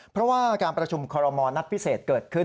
เพราะว่าการประชุมคอรมอลนัดพิเศษเกิดขึ้น